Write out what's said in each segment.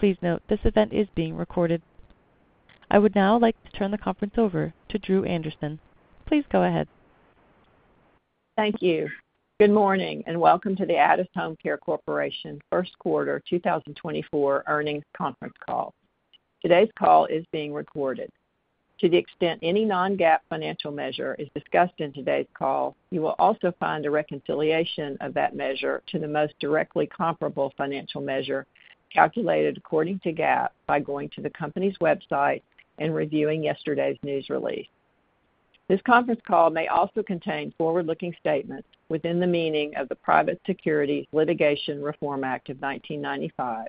Please note this event is being recorded. I would now like to turn the conference over to Dru Anderson. Please go ahead. Thank you. Good morning and welcome to the Addus HomeCare Corporation first quarter 2024 earnings conference call. Today's call is being recorded. To the extent any non-GAAP financial measure is discussed in today's call, you will also find a reconciliation of that measure to the most directly comparable financial measure calculated according to GAAP by going to the company's website and reviewing yesterday's news release. This conference call may also contain forward-looking statements within the meaning of the Private Securities Litigation Reform Act of 1995,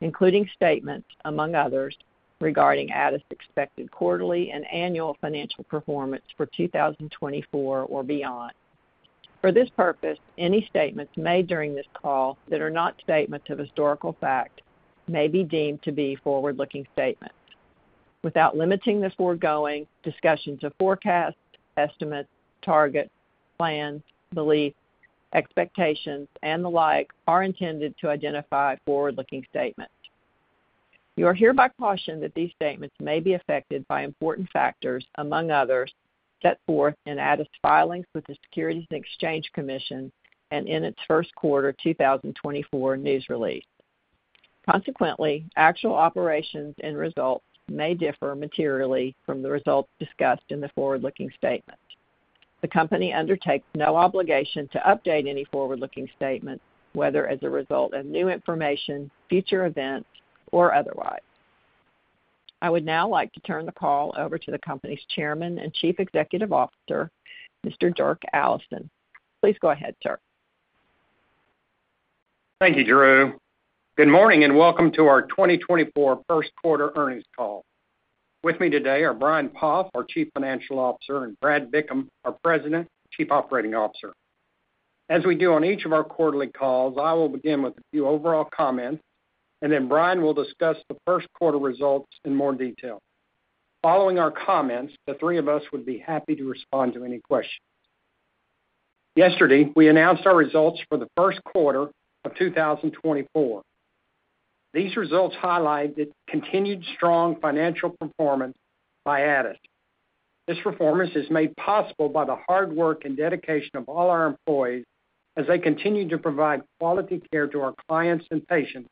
including statements, among others, regarding Addus' expected quarterly and annual financial performance for 2024 or beyond. For this purpose, any statements made during this call that are not statements of historical fact may be deemed to be forward-looking statements. Without limiting the foregoing, discussions of forecasts, estimates, targets, plans, beliefs, expectations, and the like are intended to identify forward-looking statements. You are hereby cautioned that these statements may be affected by important factors, among others, set forth in Addus' filings with the Securities and Exchange Commission and in its first quarter 2024 news release. Consequently, actual operations and results may differ materially from the results discussed in the forward-looking statements. The company undertakes no obligation to update any forward-looking statements, whether as a result of new information, future events, or otherwise. I would now like to turn the call over to the company's Chairman and Chief Executive Officer, Mr. Dirk Allison. Please go ahead, sir. Thank you, Dru. Good morning and welcome to our 2024 first quarter earnings call. With me today are Brian Poff, our Chief Financial Officer, and Brad Bickham, our President, Chief Operating Officer. As we do on each of our quarterly calls, I will begin with a few overall comments, and then Brian will discuss the first quarter results in more detail. Following our comments, the three of us would be happy to respond to any questions. Yesterday, we announced our results for the first quarter of 2024. These results highlighted continued strong financial performance by Addus. This performance is made possible by the hard work and dedication of all our employees as they continue to provide quality care to our clients and patients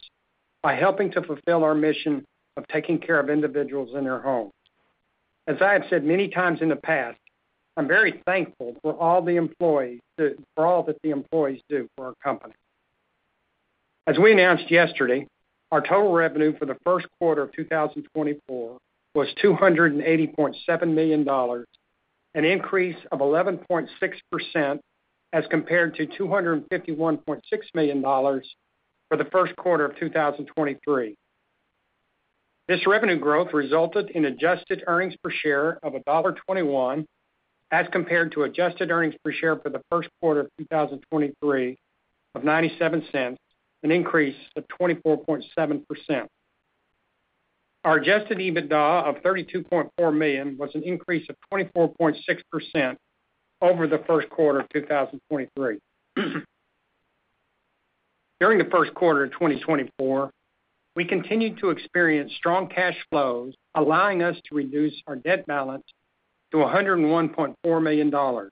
by helping to fulfill our mission of taking care of individuals in their homes. As I have said many times in the past, I'm very thankful for all the employees that the employees do for our company. As we announced yesterday, our total revenue for the first quarter of 2024 was $280.7 million, an increase of 11.6% as compared to $251.6 million for the first quarter of 2023. This revenue growth resulted in adjusted earnings per share of $1.21 as compared to adjusted earnings per share for the first quarter of 2023 of $0.97, an increase of 24.7%. Our Adjusted EBITDA of $32.4 million was an increase of 24.6% over the first quarter of 2023. During the first quarter of 2024, we continued to experience strong cash flows, allowing us to reduce our debt balance to $101.4 million.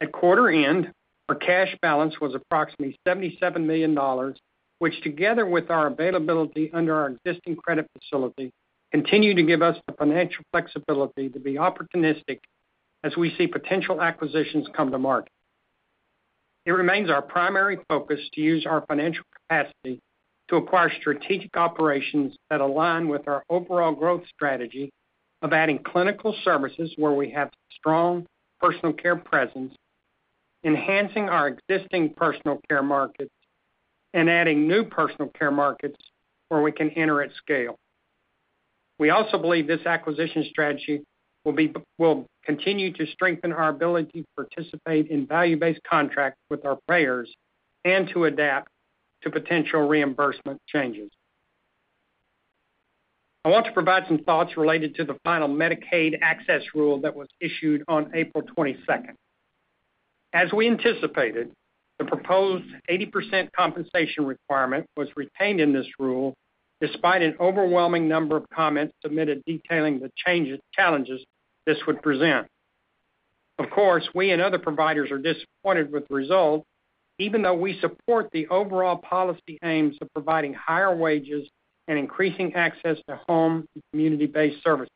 At quarter end, our cash balance was approximately $77 million, which together with our availability under our existing credit facility continued to give us the financial flexibility to be opportunistic as we see potential acquisitions come to market. It remains our primary focus to use our financial capacity to acquire strategic operations that align with our overall growth strategy of adding clinical services where we have strong personal care presence, enhancing our existing personal care markets, and adding new personal care markets where we can enter at scale. We also believe this acquisition strategy will continue to strengthen our ability to participate in value-based contracts with our payers and to adapt to potential reimbursement changes. I want to provide some thoughts related to the final Medicaid Access Rule that was issued on April 22nd. As we anticipated, the proposed 80% compensation requirement was retained in this rule despite an overwhelming number of comments submitted detailing the challenges this would present. Of course, we and other providers are disappointed with the results, even though we support the overall policy aims of providing higher wages and increasing access to home and community-based services.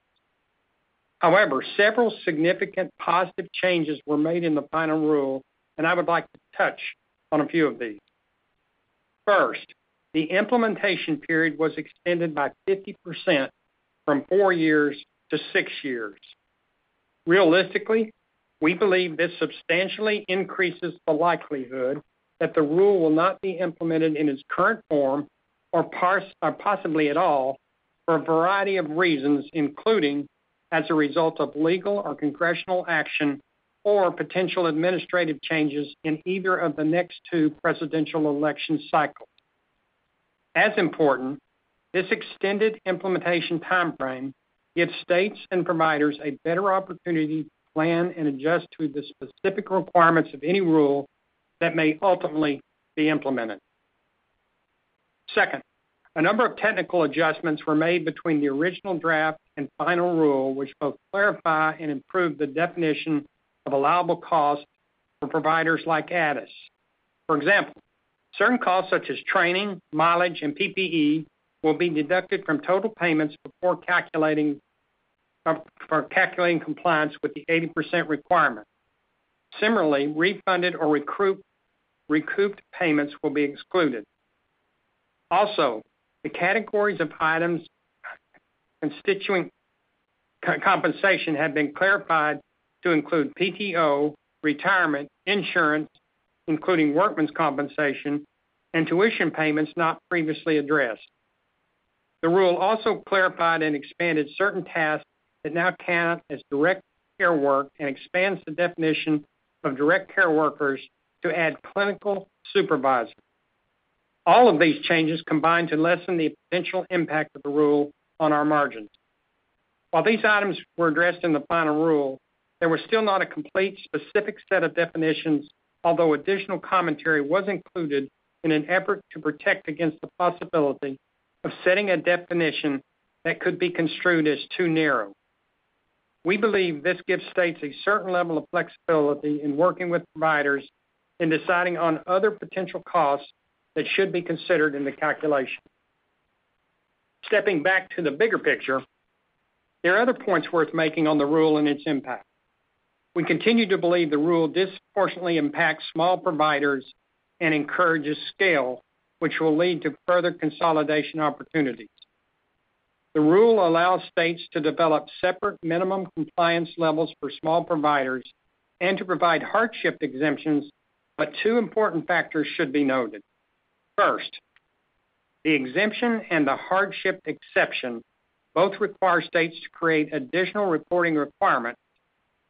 However, several significant positive changes were made in the final rule, and I would like to touch on a few of these. First, the implementation period was extended by 50% from four years to six years. Realistically, we believe this substantially increases the likelihood that the rule will not be implemented in its current form or possibly at all for a variety of reasons, including as a result of legal or congressional action or potential administrative changes in either of the next two presidential election cycles. As important, this extended implementation time frame gives states and providers a better opportunity to plan and adjust to the specific requirements of any rule that may ultimately be implemented. Second, a number of technical adjustments were made between the original draft and final rule, which both clarify and improve the definition of allowable costs for providers like Addus. For example, certain costs such as training, mileage, and PPE will be deducted from total payments before calculating compliance with the 80% requirement. Similarly, refunded or recouped payments will be excluded. Also, the categories of items constituting compensation have been clarified to include PTO, retirement, insurance, including workman's compensation, and tuition payments not previously addressed. The rule also clarified and expanded certain tasks that now count as direct care work and expands the definition of direct care workers to add clinical supervisors. All of these changes combine to lessen the potential impact of the rule on our margins. While these items were addressed in the final rule, there was still not a complete specific set of definitions, although additional commentary was included in an effort to protect against the possibility of setting a definition that could be construed as too narrow. We believe this gives states a certain level of flexibility in working with providers in deciding on other potential costs that should be considered in the calculation. Stepping back to the bigger picture, there are other points worth making on the rule and its impact. We continue to believe the rule disproportionately impacts small providers and encourages scale, which will lead to further consolidation opportunities. The rule allows states to develop separate minimum compliance levels for small providers and to provide hardship exemptions, but two important factors should be noted. First, the exemption and the hardship exception both require states to create additional reporting requirements,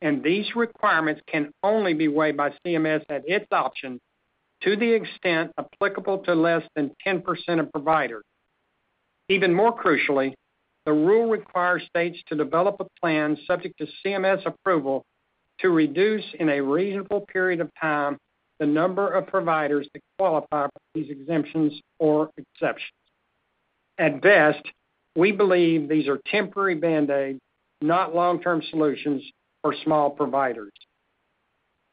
and these requirements can only be weighed by CMS at its option to the extent applicable to less than 10% of providers. Even more crucially, the rule requires states to develop a plan subject to CMS approval to reduce in a reasonable period of time the number of providers that qualify for these exemptions or exceptions. At best, we believe these are temporary Band-Aids, not long-term solutions for small providers.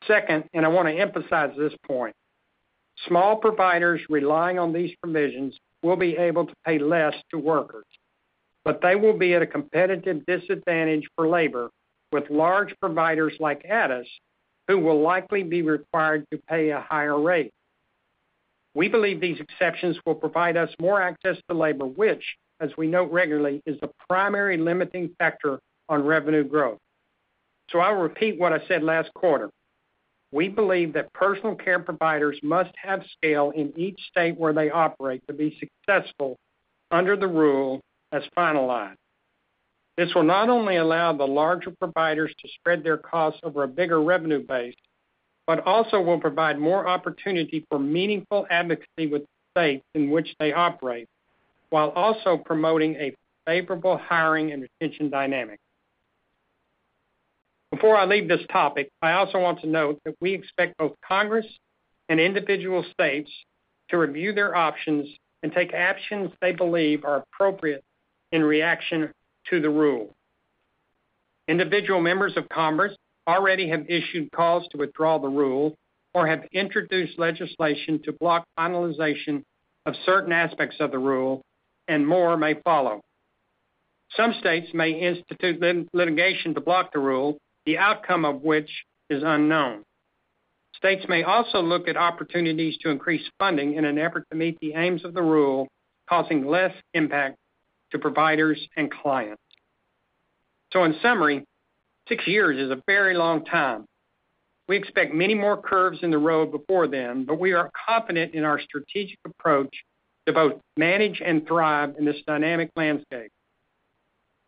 Second, and I want to emphasize this point, small providers relying on these provisions will be able to pay less to workers, but they will be at a competitive disadvantage for labor with large providers like Addus who will likely be required to pay a higher rate. We believe these exceptions will provide us more access to labor, which, as we note regularly, is the primary limiting factor on revenue growth. So I will repeat what I said last quarter. We believe that personal care providers must have scale in each state where they operate to be successful under the rule as finalized. This will not only allow the larger providers to spread their costs over a bigger revenue base, but also will provide more opportunity for meaningful advocacy with the states in which they operate while also promoting a favorable hiring and retention dynamic. Before I leave this topic, I also want to note that we expect both Congress and individual states to review their options and take actions they believe are appropriate in reaction to the rule. Individual Members of Congress already have issued calls to withdraw the rule or have introduced legislation to block finalization of certain aspects of the rule, and more may follow. Some states may institute litigation to block the rule, the outcome of which is unknown. States may also look at opportunities to increase funding in an effort to meet the aims of the rule, causing less impact to providers and clients. So in summary, six years is a very long time. We expect many more curves in the road before then, but we are confident in our strategic approach to both manage and thrive in this dynamic landscape.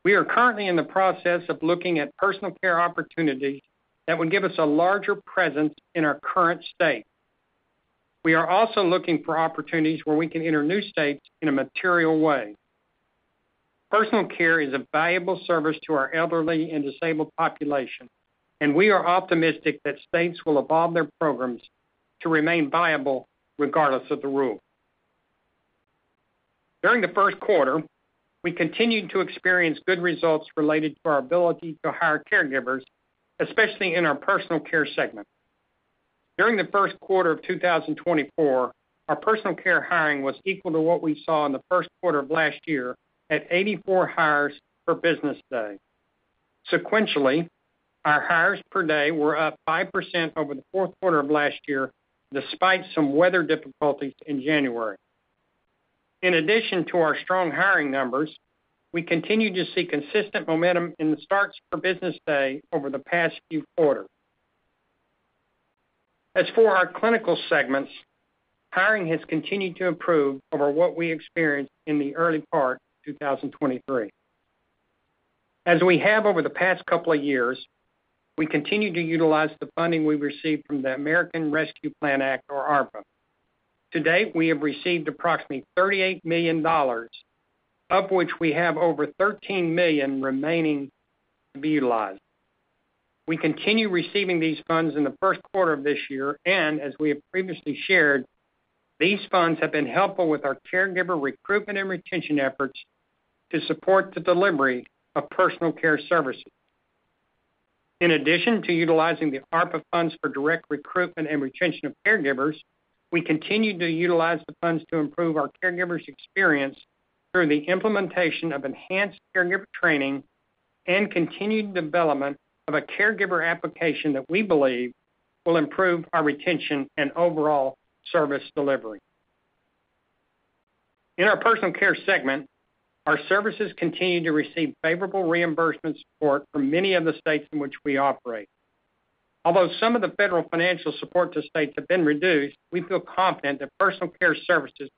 We are currently in the process of looking at personal care opportunities that would give us a larger presence in our current state. We are also looking for opportunities where we can enter new states in a material way. Personal care is a valuable service to our elderly and disabled population, and we are optimistic that states will evolve their programs to remain viable regardless of the rule. During the first quarter, we continued to experience good results related to our ability to hire caregivers, especially in our personal care segment. During the first quarter of 2024, our personal care hiring was equal to what we saw in the first quarter of last year at 84 hires per business day. Sequentially, our hires per day were up 5% over the fourth quarter of last year despite some weather difficulties in January. In addition to our strong hiring numbers, we continue to see consistent momentum in the starts per business day over the past few quarters. As for our clinical segments, hiring has continued to improve over what we experienced in the early part of 2023. As we have over the past couple of years, we continue to utilize the funding we received from the American Rescue Plan Act, or ARPA. To date, we have received approximately $38 million, of which we have over $13 million remaining to be utilized. We continue receiving these funds in the first quarter of this year, and as we have previously shared, these funds have been helpful with our caregiver recruitment and retention efforts to support the delivery of personal care services. In addition to utilizing the ARPA funds for direct recruitment and retention of caregivers, we continue to utilize the funds to improve our caregivers' experience through the implementation of enhanced caregiver training and continued development of a caregiver application that we believe will improve our retention and overall service delivery. In our personal care segment, our services continue to receive favorable reimbursement support from many of the states in which we operate. Although some of the federal financial support to states has been reduced, we feel confident that personal care services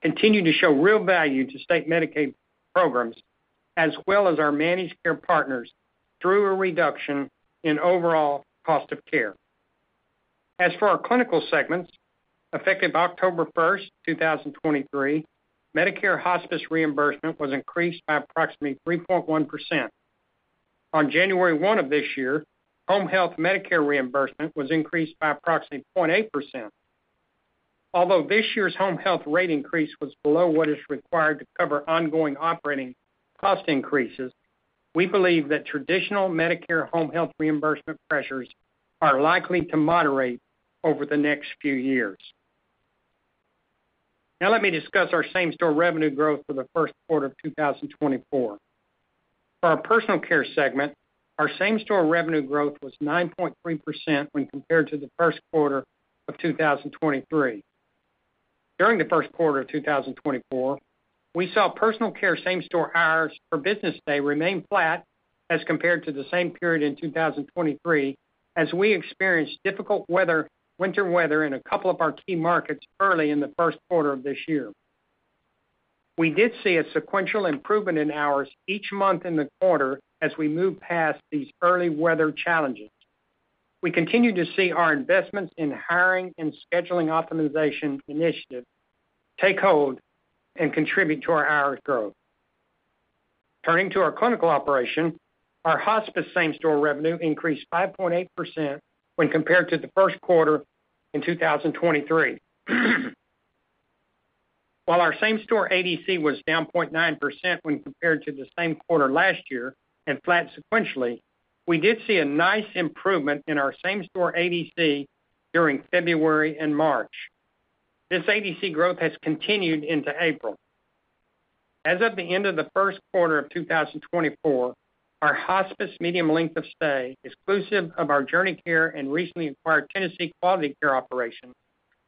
continue to show real value to state Medicaid programs as well as our managed care partners through a reduction in overall cost of care. As for our clinical segments affected by October 1st, 2023, Medicare hospice reimbursement was increased by approximately 3.1%. On January 1 of this year, home health Medicare reimbursement was increased by approximately 0.8%. Although this year's home health rate increase was below what is required to cover ongoing operating cost increases, we believe that traditional Medicare home health reimbursement pressures are likely to moderate over the next few years. Now let me discuss our same-store revenue growth for the first quarter of 2024. For our personal care segment, our same-store revenue growth was 9.3% when compared to the first quarter of 2023. During the first quarter of 2024, we saw personal care same-store hires per business day remain flat as compared to the same period in 2023 as we experienced difficult winter weather in a couple of our key markets early in the first quarter of this year. We did see a sequential improvement in hours each month in the quarter as we moved past these early weather challenges. We continue to see our investments in hiring and scheduling optimization initiatives take hold and contribute to our hours growth. Turning to our clinical operation, our hospice same-store revenue increased 5.8% when compared to the first quarter in 2023. While our Same Store ADC was down 0.9% when compared to the same quarter last year and flat sequentially, we did see a nice improvement in our Same Store ADC during February and March. This ADC growth has continued into April. As of the end of the first quarter of 2024, our hospice medium length of stay exclusive of our JourneyCare and recently acquired Tennessee Quality Care operation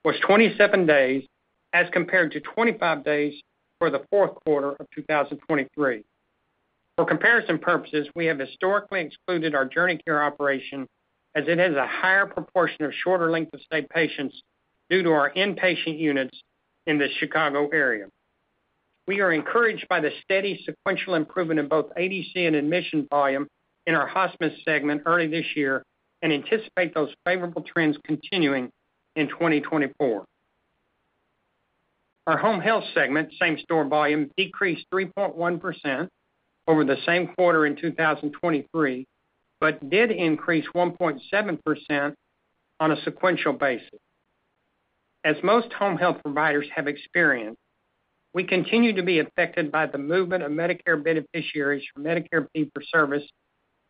was 27 days as compared to 25 days for the fourth quarter of 2023. For comparison purposes, we have historically excluded our JourneyCare operation as it has a higher proportion of shorter length of stay patients due to our inpatient units in the Chicago area. We are encouraged by the steady sequential improvement in both ADC and admission volume in our hospice segment early this year and anticipate those favorable trends continuing in 2024. Our home health segment same-store volume decreased 3.1% over the same quarter in 2023 but did increase 1.7% on a sequential basis. As most home health providers have experienced, we continue to be affected by the movement of Medicare beneficiaries from Medicare fee-for-service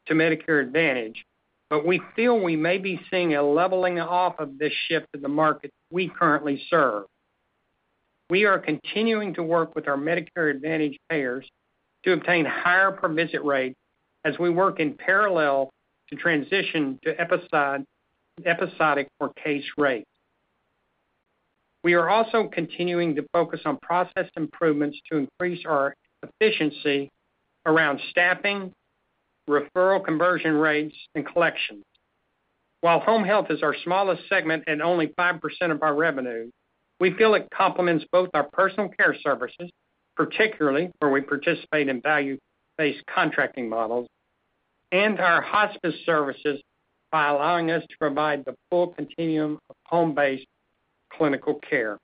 to Medicare Advantage, but we feel we may be seeing a leveling off of this shift in the markets we currently serve. We are continuing to work with our Medicare Advantage payers to obtain higher per-visit rates as we work in parallel to transition to episodic or case rates. We are also continuing to focus on process improvements to increase our efficiency around staffing, referral conversion rates, and collections. While home health is our smallest segment and only 5% of our revenue, we feel it complements both our personal care services, particularly where we participate in value-based contracting models, and our hospice services by allowing us to provide the full continuum of home-based clinical care.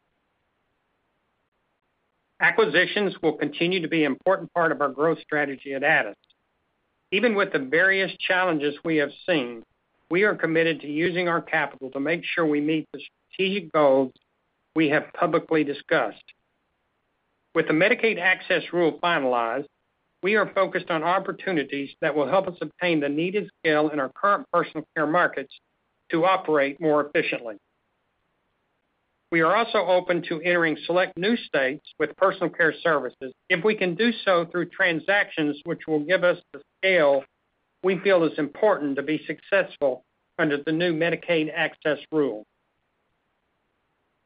Acquisitions will continue to be an important part of our growth strategy at Addus. Even with the various challenges we have seen, we are committed to using our capital to make sure we meet the strategic goals we have publicly discussed. With the Medicaid Access Rule finalized, we are focused on opportunities that will help us obtain the needed scale in our current personal care markets to operate more efficiently. We are also open to entering select new states with personal care services if we can do so through transactions which will give us the scale we feel is important to be successful under the new Medicaid Access Rule.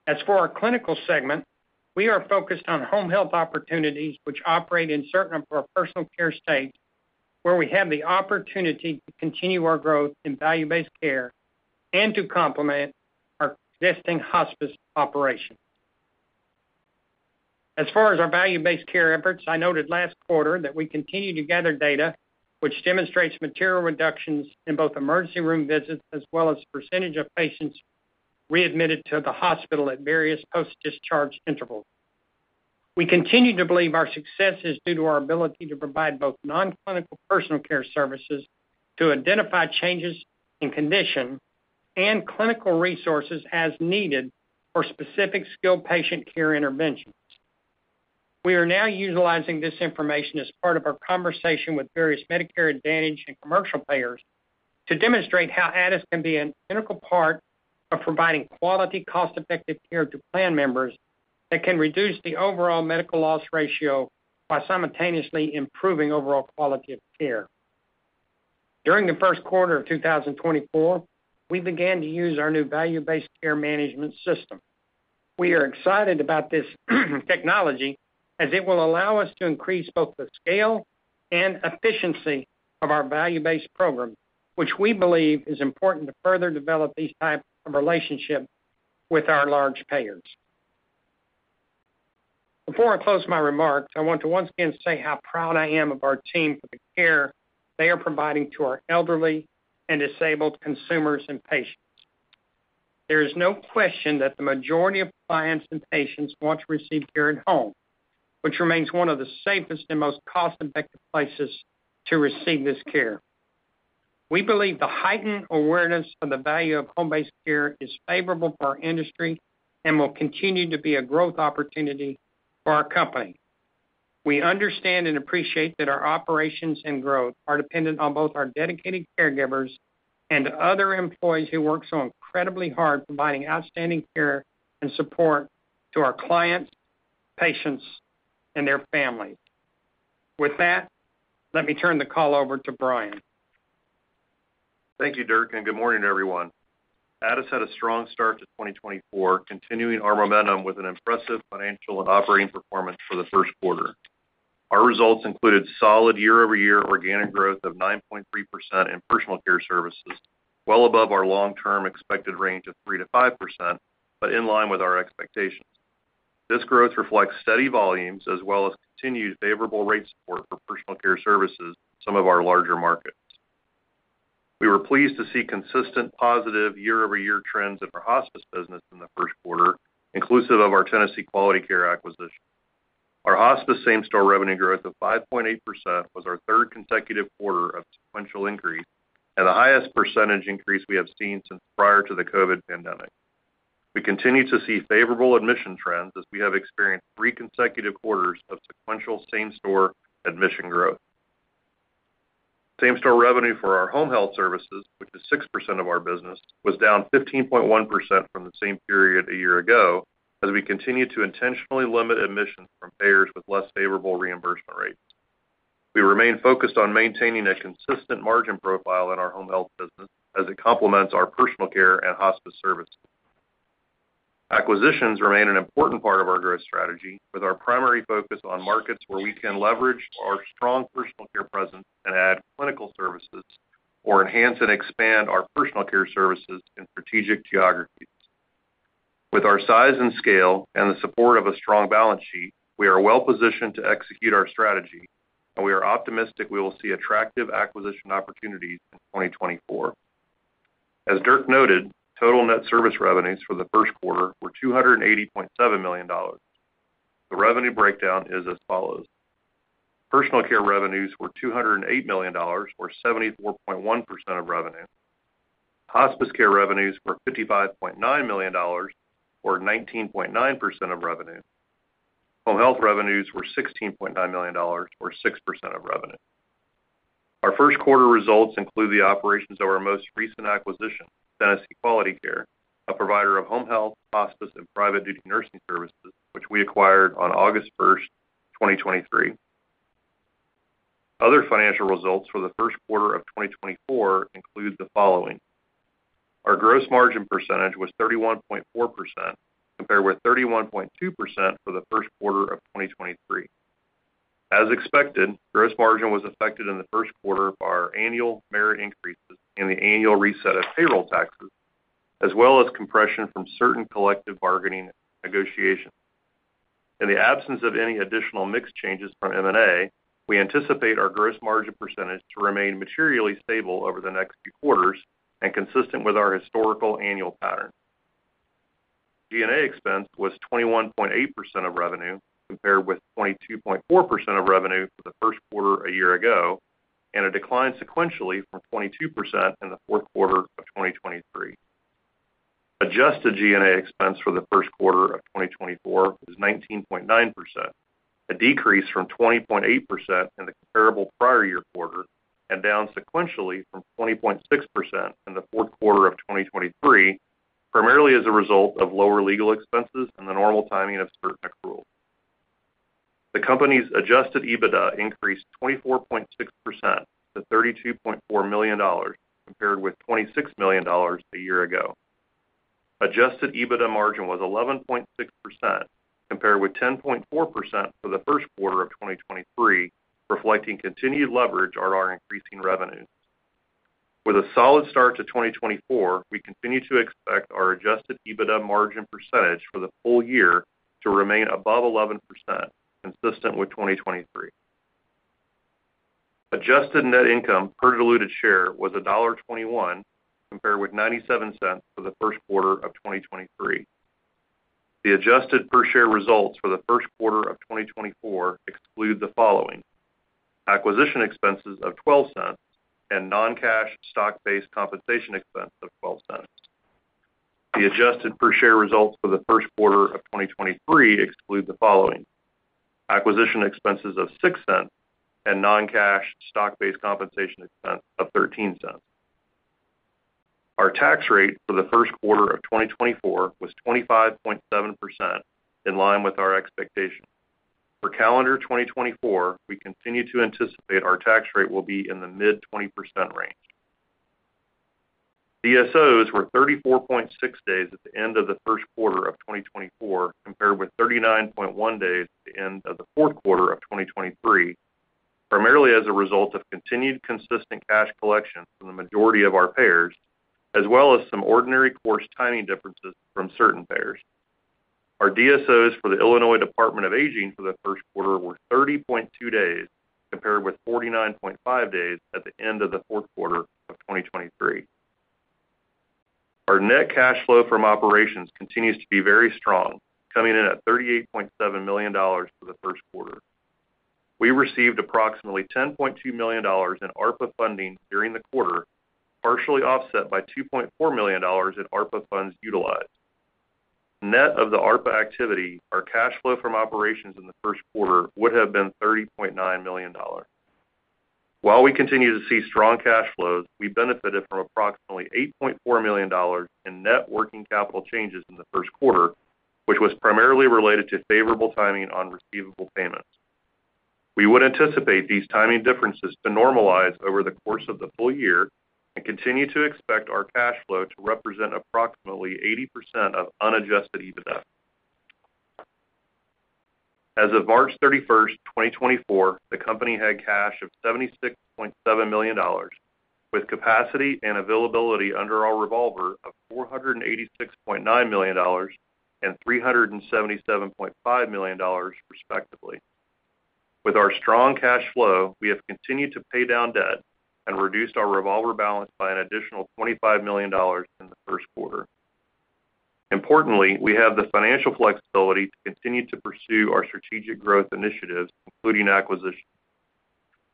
As for our clinical segment, we are focused on home health opportunities which operate in certain of our personal care states where we have the opportunity to continue our growth in Value-Based Care and to complement our existing Hospice operations. As far as our Value-Based Care efforts, I noted last quarter that we continue to gather data which demonstrates material reductions in both emergency room visits as well as the percentage of patients readmitted to the hospital at various post-discharge intervals. We continue to believe our success is due to our ability to provide both non-clinical personal care services to identify changes in condition and clinical resources as needed for specific skilled patient care interventions. We are now utilizing this information as part of our conversation with various Medicare Advantage and commercial payers to demonstrate how Addus can be an integral part of providing quality, cost-effective care to plan members that can reduce the overall medical loss ratio while simultaneously improving overall quality of care. During the first quarter of 2024, we began to use our new value-based care management system. We are excited about this technology as it will allow us to increase both the scale and efficiency of our value-based program, which we believe is important to further develop these types of relationships with our large payers. Before I close my remarks, I want to once again say how proud I am of our team for the care they are providing to our elderly and disabled consumers and patients. There is no question that the majority of clients and patients want to receive care at home, which remains one of the safest and most cost-effective places to receive this care. We believe the heightened awareness of the value of home-based care is favorable for our industry and will continue to be a growth opportunity for our company. We understand and appreciate that our operations and growth are dependent on both our dedicated caregivers and other employees who work so incredibly hard providing outstanding care and support to our clients, patients, and their families. With that, let me turn the call over to Brian. Thank you, Dirk, and good morning to everyone. Addus had a strong start to 2024, continuing our momentum with an impressive financial and operating performance for the first quarter. Our results included solid year-over-year organic growth of 9.3% in personal care services, well above our long-term expected range of 3%-5%, but in line with our expectations. This growth reflects steady volumes as well as continued favorable rate support for personal care services in some of our larger markets. We were pleased to see consistent positive year-over-year trends in our hospice business in the first quarter, inclusive of our Tennessee Quality Care acquisition. Our hospice Same Store revenue growth of 5.8% was our third consecutive quarter of sequential increase and the highest percentage increase we have seen since prior to the COVID pandemic. We continue to see favorable admission trends as we have experienced three consecutive quarters of sequential Same Store admission growth. Same Store revenue for our home health services, which is 6% of our business, was down 15.1% from the same period a year ago as we continue to intentionally limit admissions from payers with less favorable reimbursement rates. We remain focused on maintaining a consistent margin profile in our home health business as it complements our personal care and hospice services. Acquisitions remain an important part of our growth strategy, with our primary focus on markets where we can leverage our strong personal care presence and add clinical services or enhance and expand our personal care services in strategic geographies. With our size and scale and the support of a strong balance sheet, we are well positioned to execute our strategy, and we are optimistic we will see attractive acquisition opportunities in 2024. As Dirk noted, total net service revenues for the first quarter were $280.7 million. The revenue breakdown is as follows. Personal care revenues were $208 million, or 74.1% of revenue. Hospice care revenues were $55.9 million, or 19.9% of revenue. Home health revenues were $16.9 million, or 6% of revenue. Our first quarter results include the operations of our most recent acquisition, Tennessee Quality Care, a provider of home health, hospice, and private duty nursing services, which we acquired on August 1st, 2023. Other financial results for the first quarter of 2024 include the following. Our gross margin percentage was 31.4% compared with 31.2% for the first quarter of 2023. As expected, gross margin was affected in the first quarter by our annual merit increases and the annual reset of payroll taxes, as well as compression from certain collective bargaining negotiations. In the absence of any additional mix changes from M&A, we anticipate our gross margin percentage to remain materially stable over the next few quarters and consistent with our historical annual pattern. G&A expense was 21.8% of revenue compared with 22.4% of revenue for the first quarter a year ago, and it declined sequentially from 22% in the fourth quarter of 2023. Adjusted G&A expense for the first quarter of 2024 was 19.9%, a decrease from 20.8% in the comparable prior year quarter and down sequentially from 20.6% in the fourth quarter of 2023, primarily as a result of lower legal expenses and the normal timing of certain accruals. The company's adjusted EBITDA increased 24.6% to $32.4 million compared with $26 million a year ago. Adjusted EBITDA margin was 11.6% compared with 10.4% for the first quarter of 2023, reflecting continued leverage on our increasing revenues. With a solid start to 2024, we continue to expect our Adjusted EBITDA margin percentage for the full year to remain above 11%, consistent with 2023. Adjusted net income per diluted share was $1.21 compared with $0.97 for the first quarter of 2023. The adjusted per share results for the first quarter of 2024 exclude the following: acquisition expenses of $0.12 and non-cash stock-based compensation expense of $0.12. The adjusted per share results for the first quarter of 2023 exclude the following: acquisition expenses of $0.06 and non-cash stock-based compensation expense of $0.13. Our tax rate for the first quarter of 2024 was 25.7%, in line with our expectations. For calendar 2024, we continue to anticipate our tax rate will be in the mid-20% range. DSOs were 34.6 days at the end of the first quarter of 2024 compared with 39.1 days at the end of the fourth quarter of 2023, primarily as a result of continued consistent cash collection from the majority of our payers, as well as some ordinary course timing differences from certain payers. Our DSOs for the Illinois Department on Aging for the first quarter were 30.2 days compared with 49.5 days at the end of the fourth quarter of 2023. Our net cash flow from operations continues to be very strong, coming in at $38.7 million for the first quarter. We received approximately $10.2 million in ARPA funding during the quarter, partially offset by $2.4 million in ARPA funds utilized. Net of the ARPA activity, our cash flow from operations in the first quarter would have been $30.9 million. While we continue to see strong cash flows, we benefited from approximately $8.4 million in net working capital changes in the first quarter, which was primarily related to favorable timing on receivable payments. We would anticipate these timing differences to normalize over the course of the full year and continue to expect our cash flow to represent approximately 80% of unadjusted EBITDA. As of March 31st, 2024, the company had cash of $76.7 million, with capacity and availability under our revolver of $486.9 million and $377.5 million, respectively. With our strong cash flow, we have continued to pay down debt and reduced our revolver balance by an additional $25 million in the first quarter. Importantly, we have the financial flexibility to continue to pursue our strategic growth initiatives, including acquisitions.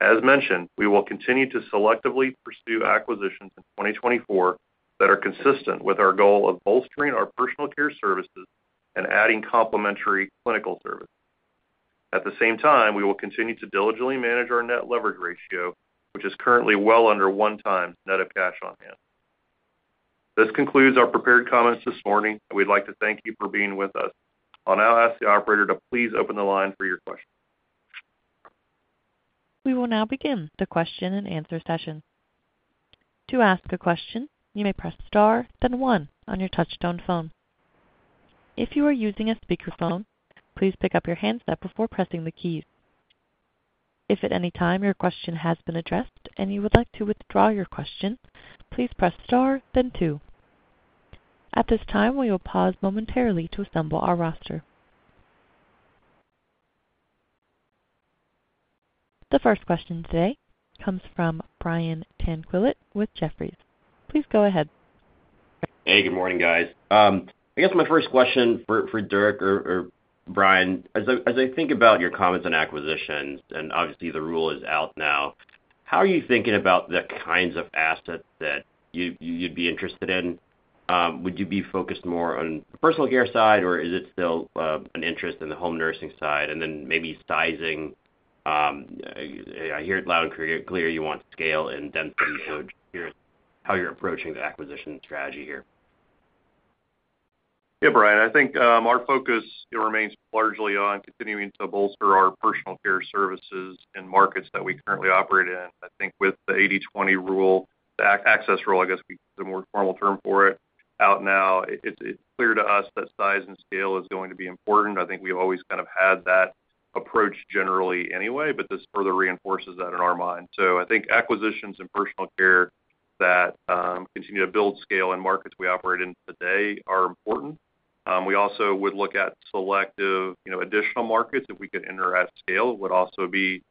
As mentioned, we will continue to selectively pursue acquisitions in 2024 that are consistent with our goal of bolstering our personal care services and adding complementary clinical services. At the same time, we will continue to diligently manage our net leverage ratio, which is currently well under one times net of cash on hand. This concludes our prepared comments this morning, and we'd like to thank you for being with us. I'll now ask the operator to please open the line for your questions. We will now begin the question-and-answer session. To ask a question, you may press star then one on your touch-tone phone. If you are using a speakerphone, please pick up your handset before pressing the keys. If at any time your question has been addressed and you would like to withdraw your question, please press star then two. At this time, we will pause momentarily to assemble our roster. The first question today comes from Brian Tanquilut with Jefferies. Please go ahead. Hey, good morning, guys. I guess my first question for Dirk or Brian, as I think about your comments on acquisitions and obviously the rule is out now, how are you thinking about the kinds of assets that you'd be interested in? Would you be focused more on the personal care side, or is it still an interest in the home nursing side? And then maybe sizing. I hear it loud and clear you want scale and density, so I'm just curious how you're approaching the acquisition strategy here. Yeah, Brian. I think our focus remains largely on continuing to bolster our personal care services in markets that we currently operate in. I think with the 80/20 Rule, the access rule, I guess the more formal term for it, out now, it's clear to us that size and scale is going to be important. I think we've always kind of had that approach generally anyway, but this further reinforces that in our mind. So I think acquisitions and personal care that continue to build scale in markets we operate in today are important. We also would look at selective additional markets if we could enter at scale. It would also be,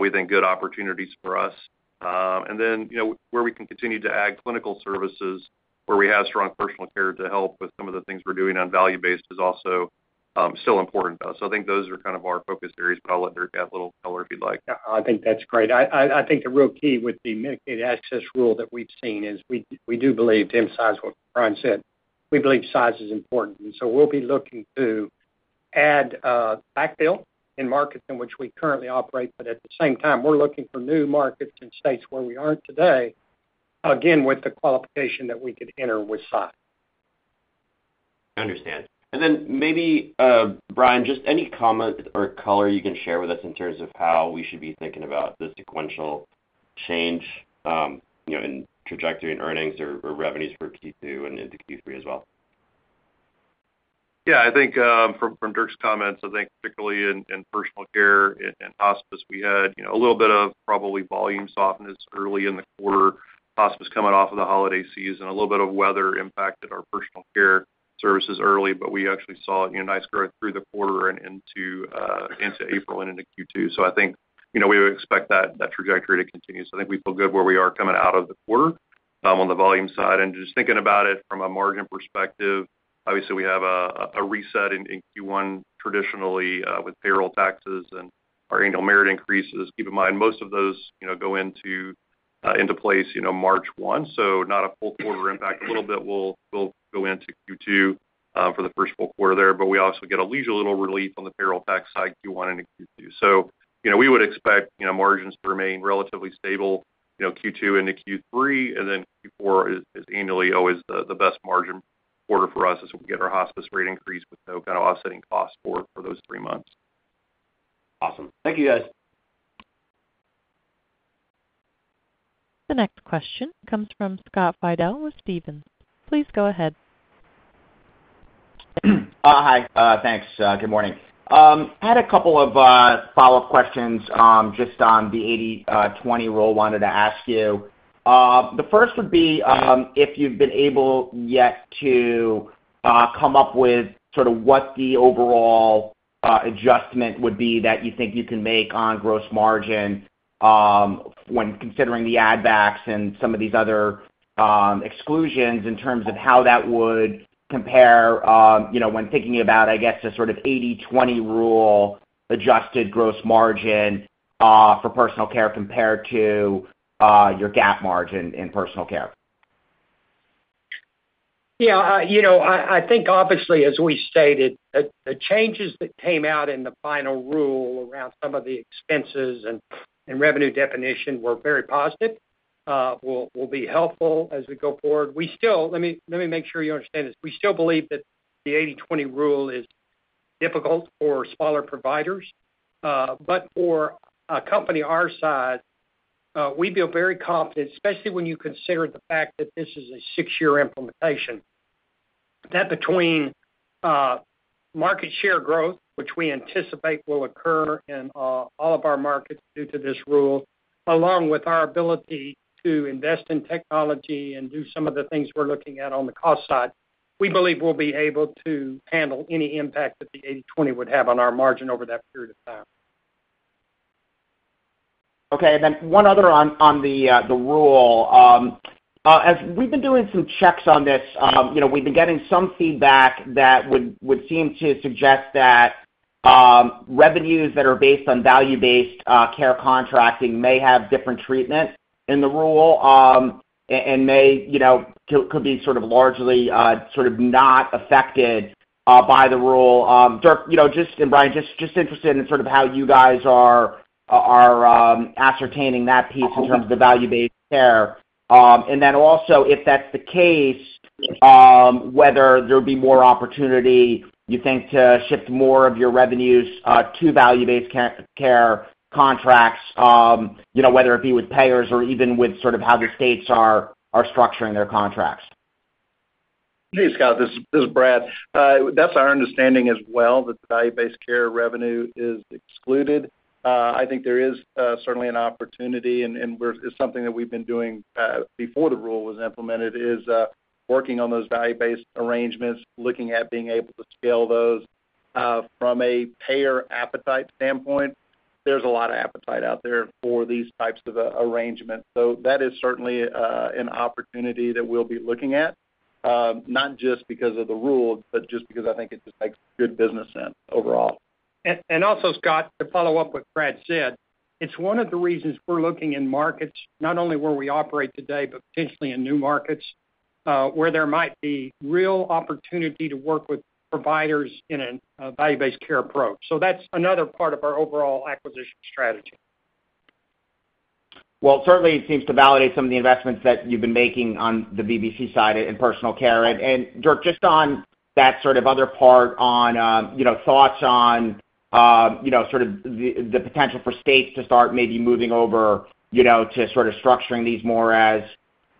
we think, good opportunities for us. And then where we can continue to add clinical services, where we have strong personal care to help with some of the things we're doing on value-based is also still important to us. So I think those are kind of our focus areas, but I'll let Dirk add a little color if you'd like. Yeah, I think that's great. I think the real key with the Medicaid Access Rule that we've seen is we do believe, too, as Brian said. We believe size is important. And so we'll be looking to add or backfill in markets in which we currently operate, but at the same time, we're looking for new markets and states where we aren't today, again, with the qualification that we could enter with size. I understand. And then maybe, Brian, just any comment or color you can share with us in terms of how we should be thinking about the sequential change in trajectory and earnings or revenues for Q2 and into Q3 as well. Yeah, I think from Dirk's comments, I think particularly in personal care and hospice, we had a little bit of probably volume softness early in the quarter, hospice coming off of the holiday season, a little bit of weather impacted our personal care services early, but we actually saw a nice growth through the quarter and into April and into Q2. So I think we would expect that trajectory to continue. So I think we feel good where we are coming out of the quarter on the volume side. And just thinking about it from a margin perspective, obviously, we have a reset in Q1 traditionally with payroll taxes and our annual merit increases. Keep in mind, most of those go into place March 1, so not a full quarter impact. A little bit will go into Q2 for the first full quarter there, but we also get a leisurely little relief on the payroll tax side Q1 and into Q2. So we would expect margins to remain relatively stable Q2 into Q3, and then Q4 is annually always the best margin quarter for us as we get our hospice rate increased with no kind of offsetting cost for those three months. Awesome. Thank you, guys. The next question comes from Scott Fidel with Stephens. Please go ahead. Hi. Thanks. Good morning. Had a couple of follow-up questions just on the 80/20 rule I wanted to ask you. The first would be if you've been able yet to come up with sort of what the overall adjustment would be that you think you can make on gross margin when considering the add-backs and some of these other exclusions in terms of how that would compare when thinking about, I guess, the sort of 80/20 Rule adjusted gross margin for personal care compared to your GAAP margin in personal care. Yeah. I think, obviously, as we stated, the changes that came out in the final rule around some of the expenses and revenue definition were very positive, will be helpful as we go forward. Let me make sure you understand this. We still believe that the 80/20 Rule is difficult for smaller providers. But for a company our size, we feel very confident, especially when you consider the fact that this is a six-year implementation, that between market share growth, which we anticipate will occur in all of our markets due to this rule, along with our ability to invest in technology and do some of the things we're looking at on the cost side, we believe we'll be able to handle any impact that the 80/20 would have on our margin over that period of time. Okay. One other on the rule. As we've been doing some checks on this, we've been getting some feedback that would seem to suggest that revenues that are based on value-based care contracting may have different treatment in the rule and could be sort of largely sort of not affected by the rule. Dirk and Brian, just interested in sort of how you guys are ascertaining that piece in terms of the value-based care. And then also, if that's the case, whether there would be more opportunity, you think, to shift more of your revenues to value-based care contracts, whether it be with payers or even with sort of how the states are structuring their contracts. Hey, Scott. This is Brad. That's our understanding as well, that the value-based care revenue is excluded. I think there is certainly an opportunity, and it's something that we've been doing before the rule was implemented, is working on those value-based arrangements, looking at being able to scale those. From a payer appetite standpoint, there's a lot of appetite out there for these types of arrangements. So that is certainly an opportunity that we'll be looking at, not just because of the rule, but just because I think it just makes good business sense overall. And also, Scott, to follow up what Brad said, it's one of the reasons we're looking in markets, not only where we operate today but potentially in new markets, where there might be real opportunity to work with providers in a value-based care approach. So that's another part of our overall acquisition strategy. Well, certainly, it seems to validate some of the investments that you've been making on the VBC side in personal care. And Dirk, just on that sort of other part, on thoughts on sort of the potential for states to start maybe moving over to sort of structuring these more as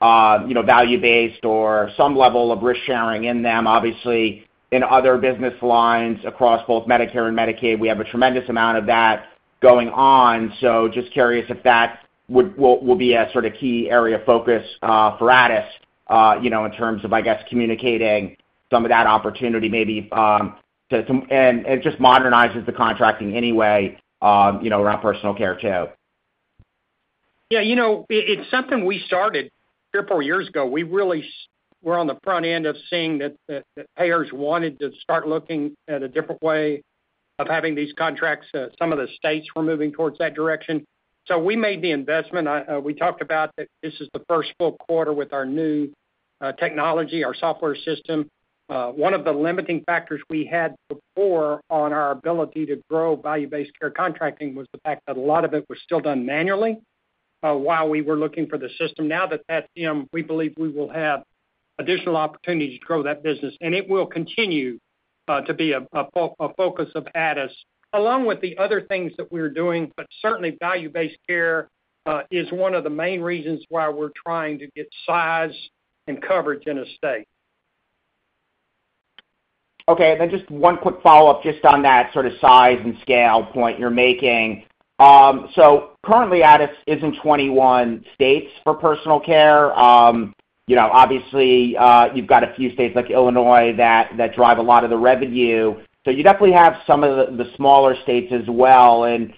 value-based or some level of risk-sharing in them? Obviously, in other business lines across both Medicare and Medicaid, we have a tremendous amount of that going on. So just curious if that will be a sort of key area of focus for Addus in terms of, I guess, communicating some of that opportunity maybe to and it just modernizes the contracting anyway around personal care too. Yeah. It's something we started three or four years ago. We really were on the front end of seeing that payers wanted to start looking at a different way of having these contracts. Some of the states were moving towards that direction. So we made the investment. We talked about that this is the first full quarter with our new technology, our software system. One of the limiting factors we had before on our ability to grow value-based care contracting was the fact that a lot of it was still done manually while we were looking for the system. Now that that's in, we believe we will have additional opportunities to grow that business. It will continue to be a focus of Addus along with the other things that we're doing. But certainly, value-based care is one of the main reasons why we're trying to get size and coverage in a state. Okay. And then just one quick follow-up just on that sort of size and scale point you're making. So currently, Addus is in 21 states for personal care. Obviously, you've got a few states like Illinois that drive a lot of the revenue. So you definitely have some of the smaller states as well. Is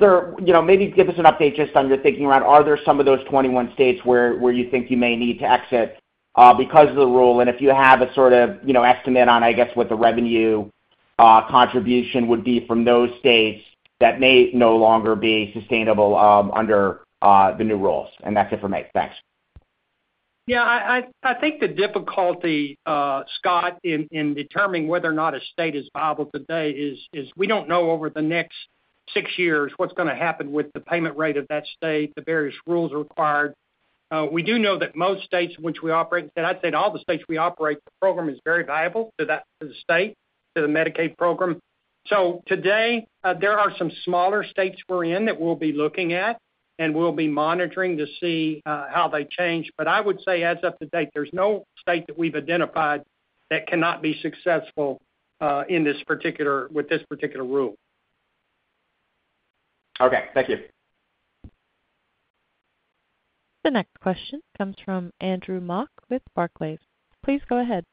there maybe give us an update just on your thinking around, are there some of those 21 states where you think you may need to exit because of the rule? And if you have a sort of estimate on, I guess, what the revenue contribution would be from those states that may no longer be sustainable under the new rules. And that's it from me. Thanks. Yeah. I think the difficulty, Scott, in determining whether or not a state is viable today is we don't know over the next 6 years what's going to happen with the payment rate of that state, the various rules required. We do know that most states in which we operate instead, I'd say in all the states we operate, the program is very viable to the state, to the Medicaid program. So today, there are some smaller states we're in that we'll be looking at and we'll be monitoring to see how they change. But I would say, as of the date, there's no state that we've identified that cannot be successful with this particular rule. Okay. Thank you. The next question comes from Andrew Mok with Barclays. Please go ahead.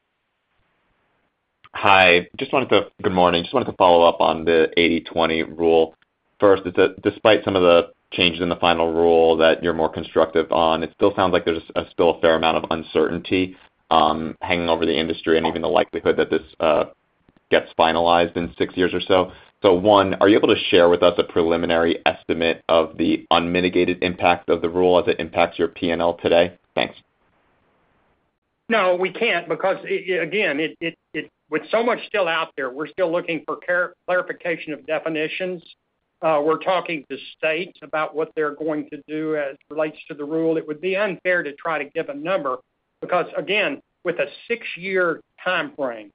Hi. Good morning. Just wanted to follow up on the 80/20 Rule. First, despite some of the changes in the final rule that you're more constructive on, it still sounds like there's still a fair amount of uncertainty hanging over the industry and even the likelihood that this gets finalized in six years or so. So one, are you able to share with us a preliminary estimate of the unmitigated impact of the rule as it impacts your P&L today? Thanks. No, we can't because, again, with so much still out there, we're still looking for clarification of definitions. We're talking to states about what they're going to do as it relates to the rule. It would be unfair to try to give a number because, again, with a six-year timeframe,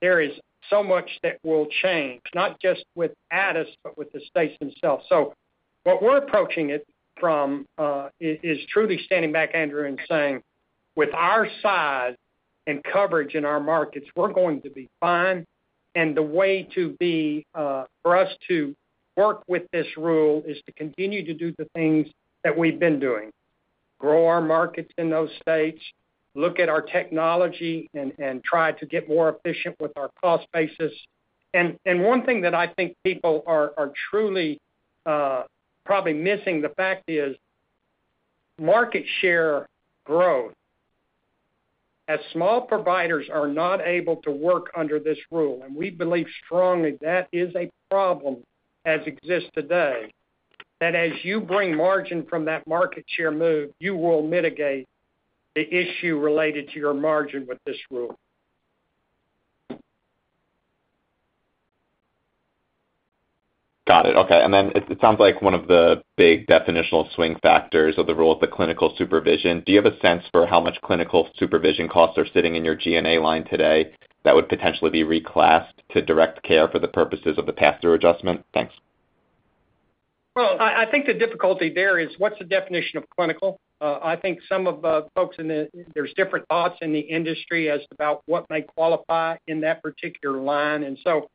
there is so much that will change, not just with Addus but with the states themselves. So what we're approaching it from is truly standing back, Andrew, and saying, "With our size and coverage in our markets, we're going to be fine. And the way for us to work with this rule is to continue to do the things that we've been doing, grow our markets in those states, look at our technology, and try to get more efficient with our cost basis." And one thing that I think people are truly probably missing the fact is market share growth. As small providers are not able to work under this rule, and we believe strongly that is a problem as exists today, that as you bring margin from that market share move, you will mitigate the issue related to your margin with this rule. Got it. Okay. And then it sounds like one of the big definitional swing factors of the rule is the clinical supervision. Do you have a sense for how much clinical supervision costs are sitting in your G&A line today that would potentially be reclassed to direct care for the purposes of the pass-through adjustment? Thanks. Well, I think the difficulty there is what's the definition of clinical? I think some of the folks in the industry there's different thoughts in the industry as about what may qualify in that particular line. And so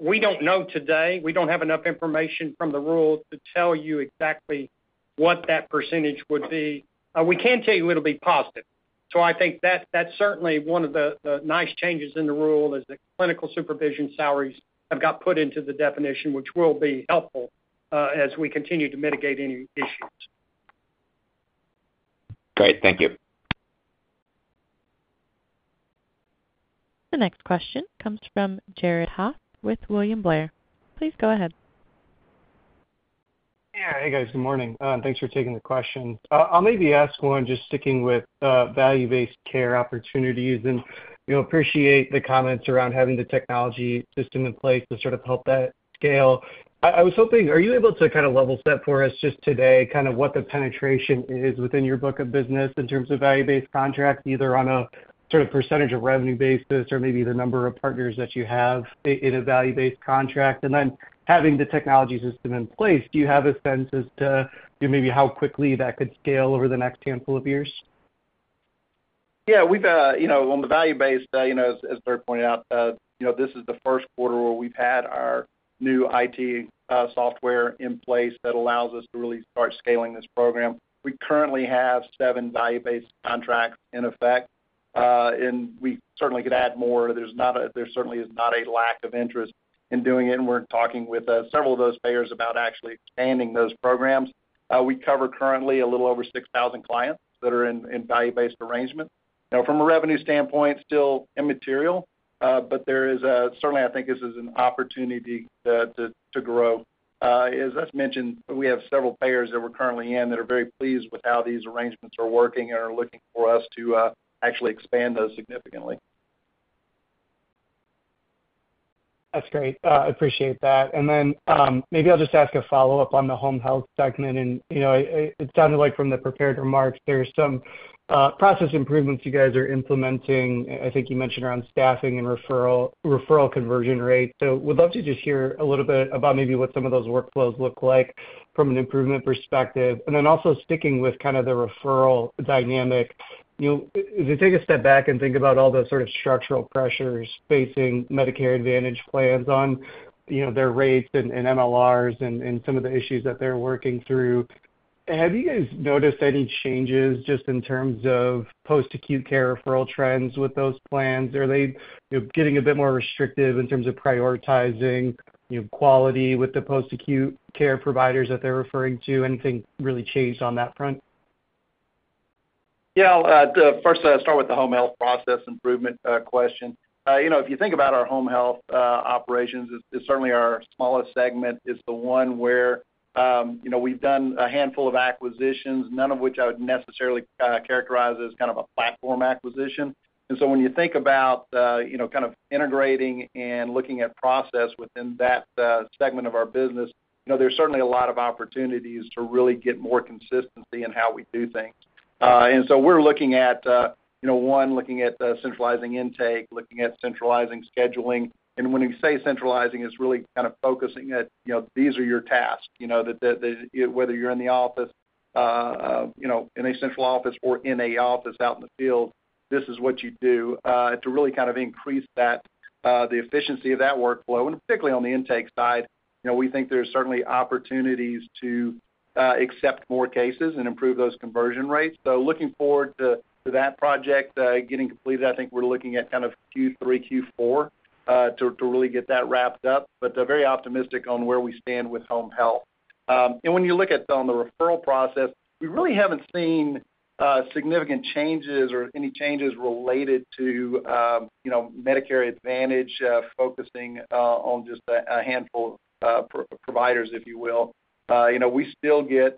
we don't know today. We don't have enough information from the rule to tell you exactly what that percentage would be. We can tell you it'll be positive. So I think that's certainly one of the nice changes in the rule is that clinical supervision salaries have got put into the definition, which will be helpful as we continue to mitigate any issues. Great. Thank you. The next question comes from Jared Haase with William Blair. Please go ahead. Yeah. Hey, guys. Good morning. Thanks for taking the question. I'll maybe ask one just sticking with value-based care opportunities and appreciate the comments around having the technology system in place to sort of help that scale. I was hoping, are you able to kind of level set for us just today kind of what the penetration is within your book of business in terms of value-based contracts, either on a sort of percentage of revenue basis or maybe the number of partners that you have in a value-based contract? And then having the technology system in place, do you have a sense as to maybe how quickly that could scale over the next handful of years? Yeah. On the value-based, as Dirk pointed out, this is the first quarter where we've had our new IT software in place that allows us to really start scaling this program. We currently have seven value-based contracts in effect. And we certainly could add more. There certainly is not a lack of interest in doing it. And we're talking with several of those payers about actually expanding those programs. We cover currently a little over 6,000 clients that are in value-based arrangements. Now, from a revenue standpoint, still immaterial. But certainly, I think this is an opportunity to grow. As I mentioned, we have several payers that we're currently in that are very pleased with how these arrangements are working and are looking for us to actually expand those significantly. That's great. I appreciate that. And then maybe I'll just ask a follow-up on the home health segment. It sounded like from the prepared remarks, there's some process improvements you guys are implementing, I think you mentioned, around staffing and referral conversion rates. So would love to just hear a little bit about maybe what some of those workflows look like from an improvement perspective. And then also sticking with kind of the referral dynamic, if you take a step back and think about all the sort of structural pressures facing Medicare Advantage plans on their rates and MLRs and some of the issues that they're working through, have you guys noticed any changes just in terms of post-acute care referral trends with those plans? Are they getting a bit more restrictive in terms of prioritizing quality with the post-acute care providers that they're referring to? Anything really changed on that front? Yeah. First, I'll start with the home health process improvement question. If you think about our home health operations, certainly, our smallest segment is the one where we've done a handful of acquisitions, none of which I would necessarily characterize as kind of a platform acquisition. And so when you think about kind of integrating and looking at process within that segment of our business, there's certainly a lot of opportunities to really get more consistency in how we do things. And so we're looking at, one, looking at centralizing intake, looking at centralizing scheduling. And when we say centralizing, it's really kind of focusing at, "These are your tasks," whether you're in the office, in a central office, or in a office out in the field, "This is what you do," to really kind of increase the efficiency of that workflow. And particularly on the intake side, we think there's certainly opportunities to accept more cases and improve those conversion rates. So looking forward to that project getting completed. I think we're looking at kind of Q3, Q4 to really get that wrapped up, but very optimistic on where we stand with home health. When you look at on the referral process, we really haven't seen significant changes or any changes related to Medicare Advantage focusing on just a handful of providers, if you will. We still get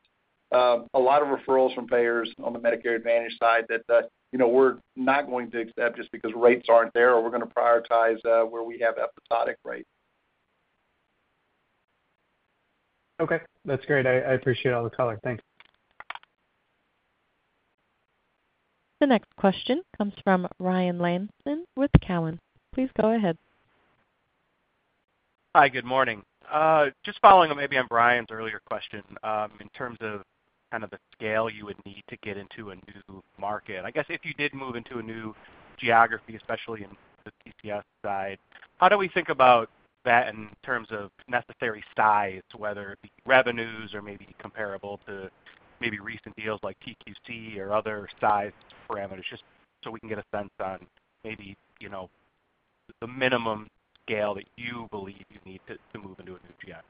a lot of referrals from payers on the Medicare Advantage side that we're not going to accept just because rates aren't there or we're going to prioritize where we have episodic rates. Okay. That's great. I appreciate all the color. Thanks. The next question comes from Ryan Langston with TD Cowen. Please go ahead. Hi. Good morning. Just following up maybe on Brian's earlier question in terms of kind of the scale you would need to get into a new market. I guess if you did move into a new geography, especially in the PCS side, how do we think about that in terms of necessary size, whether it be revenues or maybe comparable to maybe recent deals like TQC or other size parameters, just so we can get a sense on maybe the minimum scale that you believe you need to move into a new G&A?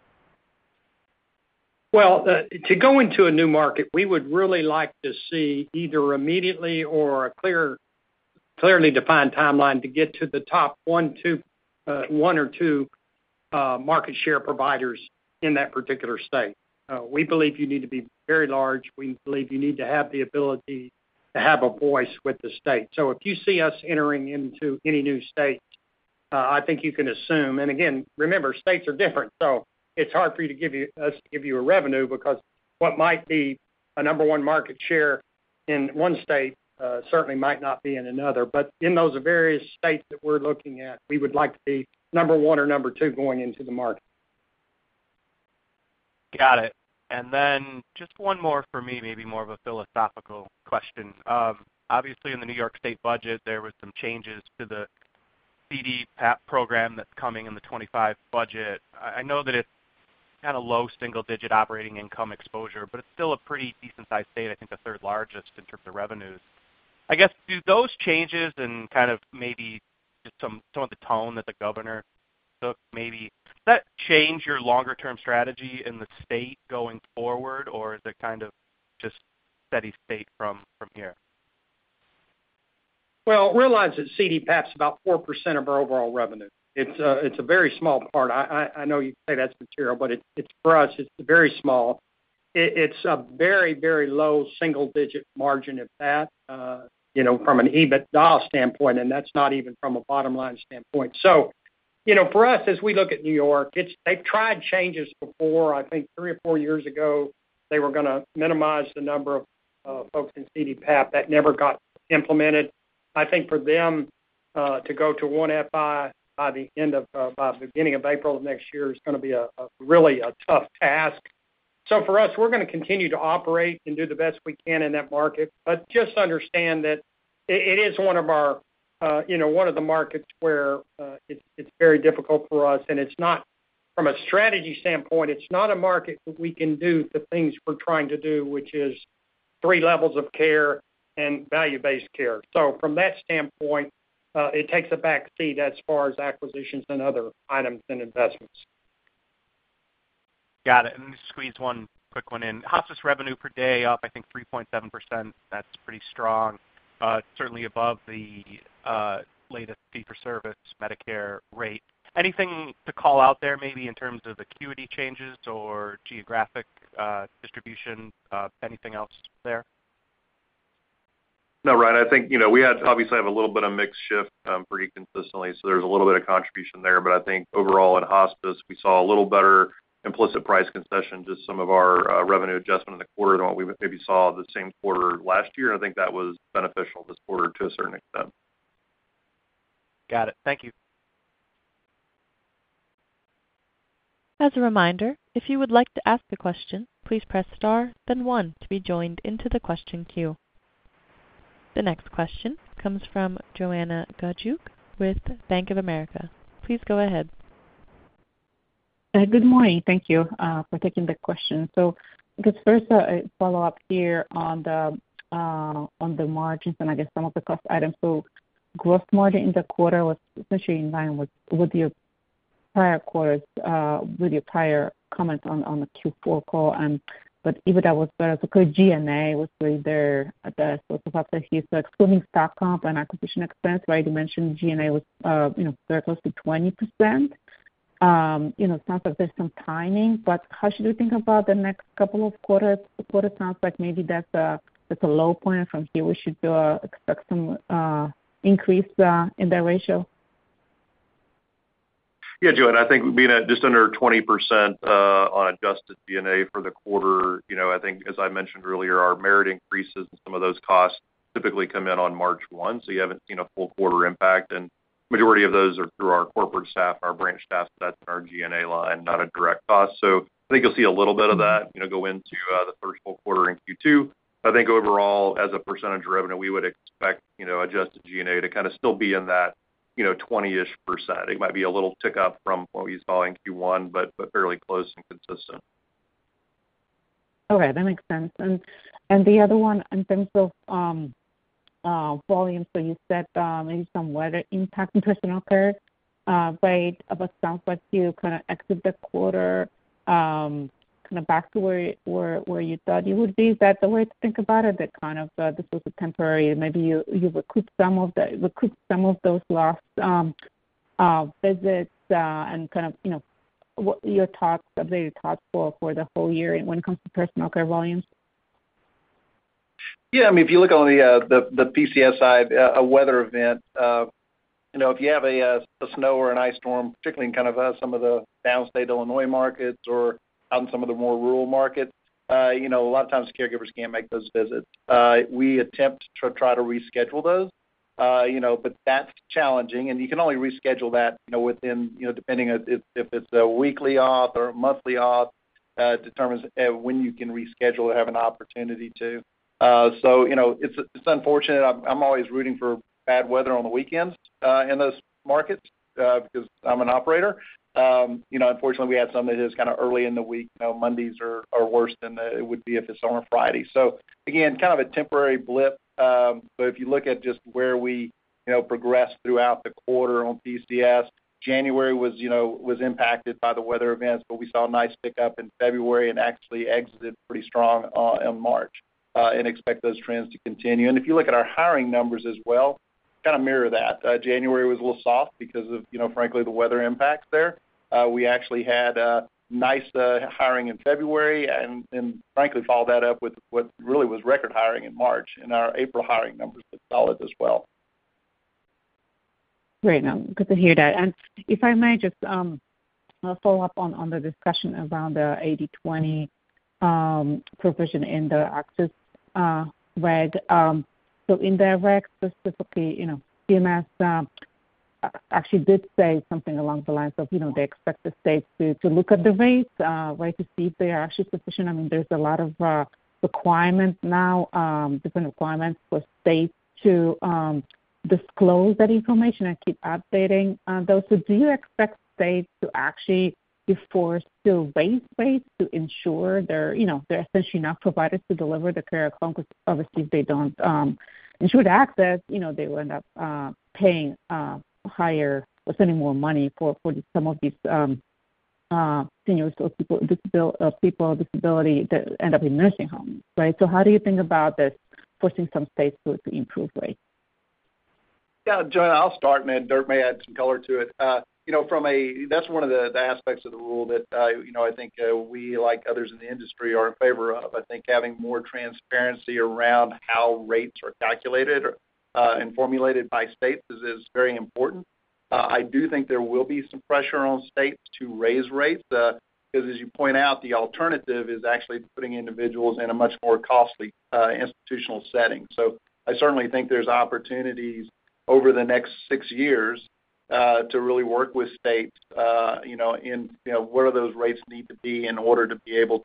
Well, to go into a new market, we would really like to see either immediately or a clearly defined timeline to get to the top one or two market share providers in that particular state. We believe you need to be very large. We believe you need to have the ability to have a voice with the state. So if you see us entering into any new state, I think you can assume and again, remember, states are different. It's hard for you to give us to give you a revenue because what might be a number one market share in one state certainly might not be in another. But in those various states that we're looking at, we would like to be number one or number two going into the market. Got it. Then just one more for me, maybe more of a philosophical question. Obviously, in the New York state budget, there were some changes to the CD program that's coming in the 2025 budget. I know that it's kind of low single-digit operating income exposure, but it's still a pretty decent-sized state, I think the third largest in terms of revenues. I guess do those changes and kind of maybe just some of the tone that the governor took maybe does that change your longer-term strategy in the state going forward, or is it kind of just steady state from here? Well, realize that CDPAP's about 4% of our overall revenue. It's a very small part. I know you say that's material, but for us, it's very small. It's a very, very low single-digit margin, if that, from an EBITDA standpoint. And that's not even from a bottom-line standpoint. So for us, as we look at New York, they've tried changes before. I think three or four years ago, they were going to minimize the number of folks in CDPAP. That never got implemented. I think for them to go to one FI by the beginning of April of next year is going to be really a tough task. So for us, we're going to continue to operate and do the best we can in that market, but just understand that it is one of the markets where it's very difficult for us. And from a strategy standpoint, it's not a market that we can do the things we're trying to do, which is three levels of care and value-based care. So from that standpoint, it takes a backseat as far as acquisitions and other items and investments. Got it. And let me squeeze one quick one in. Hospice's revenue per day up, I think, 3.7%. That's pretty strong, certainly above the latest fee-for-service Medicare rate. Anything to call out there maybe in terms of acuity changes or geographic distribution, anything else there? No, Ryan. I think we obviously have a little bit of mix shift pretty consistently. So there's a little bit of contribution there. But I think overall, in hospice, we saw a little better implicit price concession, just some of our revenue adjustment in the quarter than what we maybe saw the same quarter last year. And I think that was beneficial this quarter to a certain extent. Got it. Thank you. As a reminder, if you would like to ask a question, please press star, then one, to be joined into the question queue. The next question comes from Joanna Gajuk with Bank of America. Please go ahead. Good morning. Thank you for taking the question. So I guess first, a follow-up here on the margins and I guess some of the cost items. So gross margin in the quarter was essentially in line with your prior quarters with your prior comments on the Q4 call. But EBITDA was better. So G&A was really there at the source of uptake here. So excluding stock comp and acquisition expense, right, you mentioned G&A was very close to 20%. It sounds like there's some timing. But how should we think about the next couple of quarters? The quarter sounds like maybe that's a low point. From here, we should expect some increase in that ratio. Yeah, Joanna, I think being just under 20% on adjusted G&A for the quarter, I think, as I mentioned earlier, our merit increases and some of those costs typically come in on March 1. So you haven't seen a full quarter impact. And majority of those are through our corporate staff and our branch staff. So that's in our G&A line, not a direct cost. So I think you'll see a little bit of that go into the first full quarter in Q2. But I think overall, as a percentage of revenue, we would expect adjusted G&A to kind of still be in that 20-ish%. It might be a little tick up from what we saw in Q1, but fairly close and consistent. Okay. That makes sense. And the other one in terms of volume, so you said maybe some weather impact in personal care, right? But it sounds like you kind of exit the quarter kind of back to where you thought you would be. Is that the way to think about it, that kind of this was a temporary maybe you recouped some of the some of those last visits and kind of your updated thoughts for the whole year when it comes to personal care volumes? Yeah. I mean, if you look on the PCS side, a weather event, if you have a snow or an ice storm, particularly in kind of some of the downstate Illinois markets or out in some of the more rural markets, a lot of times, caregivers can't make those visits. We attempt to try to reschedule those, but that's challenging. And you can only reschedule that depending if it's a weekly off or a monthly off determines when you can reschedule or have an opportunity to. So it's unfortunate. I'm always rooting for bad weather on the weekends in those markets because I'm an operator. Unfortunately, we had some that is kind of early in the week. Mondays are worse than it would be if it's on a Friday. So again, kind of a temporary blip. But if you look at just where we progressed throughout the quarter on PCS, January was impacted by the weather events, but we saw a nice pickup in February and actually exited pretty strong in March and expect those trends to continue. And if you look at our hiring numbers as well, kind of mirror that. January was a little soft because of, frankly, the weather impacts there. We actually had nice hiring in February and frankly, followed that up with what really was record hiring in March. And our April hiring numbers look solid as well. Great. Good to hear that. And if I may, just a follow-up on the discussion around the 80/20 provision in the Access reg. So in the reg, specifically, CMS actually did say something along the lines of they expect the states to look at the rates, right, to see if they are actually sufficient. I mean, there's a lot of requirements now, different requirements for states to disclose that information and keep updating those. So do you expect states to actually enforce still base rates to ensure they're essentially enough providers to deliver the care at home? Because obviously, if they don't ensure the access, they will end up paying higher or spending more money for some of these seniors or people with disability that end up in nursing homes, right? So how do you think about this forcing some states to improve rates? Yeah. Joanna, I'll start, man. Dirk may add some color to it. That's one of the aspects of the rule that I think we, like others in the industry, are in favor of. I think having more transparency around how rates are calculated and formulated by states is very important. I do think there will be some pressure on states to raise rates because, as you point out, the alternative is actually putting individuals in a much more costly institutional setting. So I certainly think there's opportunities over the next six years to really work with states in what do those rates need to be in order to be able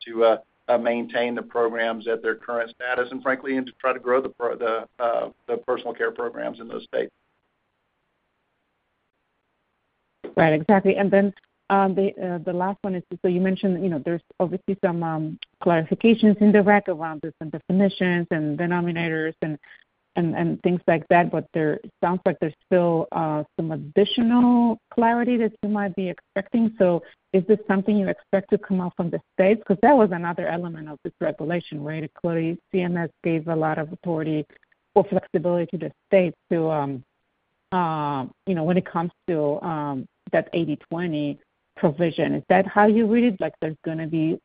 to maintain the programs at their current status and, frankly, and to try to grow the personal care programs in those states. Right. Exactly. And then the last one is so you mentioned there's obviously some clarifications in the reg around different definitions and denominators and things like that. But it sounds like there's still some additional clarity that you might be expecting. So is this something you expect to come out from the states? Because that was another element of this regulation, right? Clearly, CMS gave a lot of authority or flexibility to the states when it comes to that 80/20 provision. Is that how you read it? There's going to be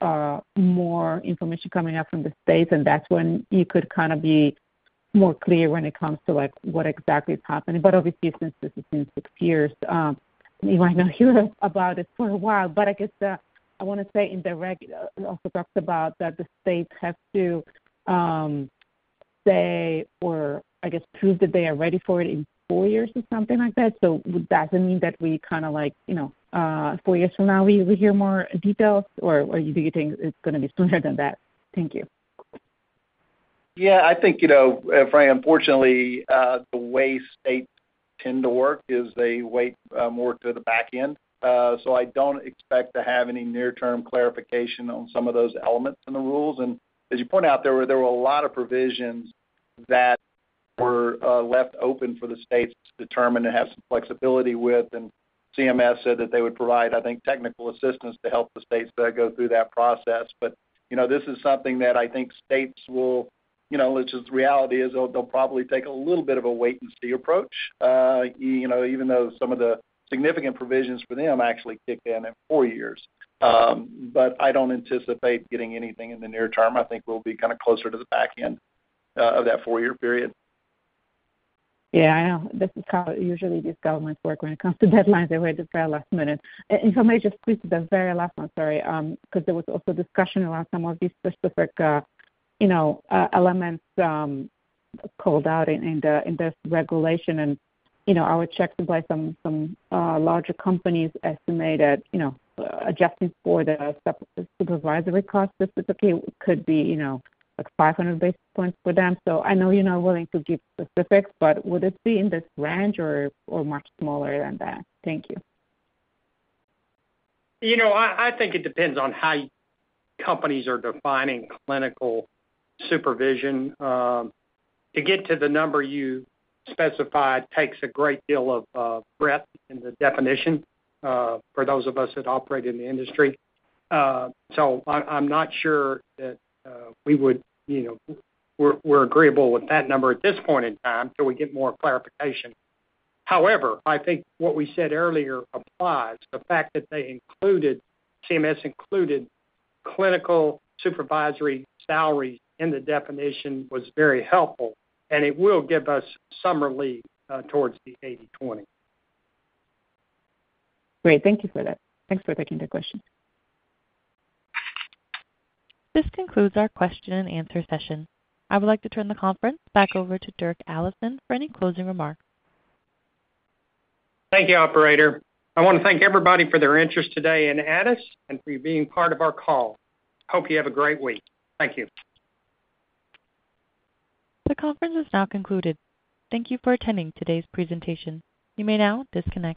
more information coming out from the states, and that's when you could kind of be more clear when it comes to what exactly is happening. But obviously, since this has been six years, you might not hear about it for a while. But I guess I want to say in the reg, it also talks about that the states have to say or, I guess, prove that they are ready for it in four years or something like that. So does it mean that we kind of like four years from now, we hear more details, or do you think it's going to be sooner than that? Thank you. Yeah. I think, Joanna, unfortunately, the way states tend to work is they wait more to the back end. So I don't expect to have any near-term clarification on some of those elements in the rules. And as you point out, there were a lot of provisions that were left open for the states to determine and have some flexibility with. And CMS said that they would provide, I think, technical assistance to help the states go through that process. But this is something that I think states will, which the reality is, they'll probably take a little bit of a wait-and-see approach, even though some of the significant provisions for them actually kick in in four years. But I don't anticipate getting anything in the near term. I think we'll be kind of closer to the back end of that four-year period. Yeah. I know. Usually, these governments work when it comes to deadlines. They're ready to try last minute. And if I may, just squeeze to the very last one, sorry, because there was also discussion around some of these specific elements called out in this regulation. And our checks by some larger companies estimated adjusting for the supervisory cost specifically could be like 500 basis points for them. So I know you're not willing to give specifics, but would it be in this range or much smaller than that? Thank you. I think it depends on how companies are defining clinical supervision. To get to the number you specified takes a great deal of breadth in the definition for those of us that operate in the industry. So I'm not sure that we're agreeable with that number at this point in time till we get more clarification. However, I think what we said earlier applies. The fact that CMS included clinical supervisory salaries in the definition was very helpful. It will give us some relief towards the 80/20. Great. Thank you for that. Thanks for taking the question. This concludes our question-and-answer session. I would like to turn the conference back over to Dirk Allison for any closing remarks. Thank you, operator. I want to thank everybody for their interest today in Addus and for being part of our call. Hope you have a great week. Thank you. The conference is now concluded. Thank you for attending today's presentation. You may now disconnect.